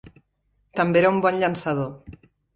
També era un bon llançador.